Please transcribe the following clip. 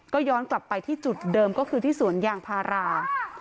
ก็ย้อนกลับไปที่จุดเดิมก็คือที่สวนยางพารา